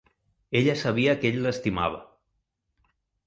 Ella sabia que ell l'estimava.